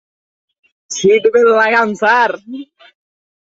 Seat belt লাগান, sir.